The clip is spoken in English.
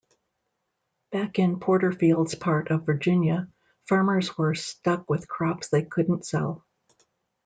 Back in Porterfield's part of Virginia, farmers were stuck with crops they couldn't sell.